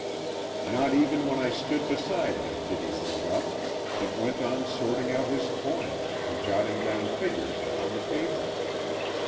Not even when I stood beside him did he look up, but went on sorting out his coins and jotting down figures upon the paper.